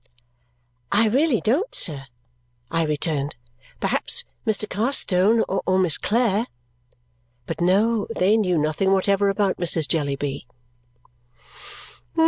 "I really don't, sir," I returned. "Perhaps Mr. Carstone or Miss Clare " But no, they knew nothing whatever about Mrs. Jellyby.